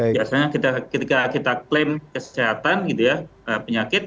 biasanya ketika kita klaim kesehatan penyakit